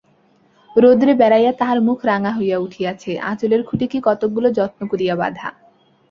রৌদ্রে বেড়াইয়া তাহার মুখ রাঙা হইয়া উঠিয়াছে, আঁচলের খুটে কী-কতকগুলা যত্ন করিয়া বাঁধা।